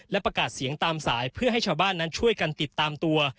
และประกาศเสียงตามสายเพื่อให้ชาวบ้านนั้นช่วยกันติดตามตัว